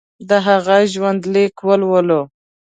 د هغه ژوندلیک ولولو.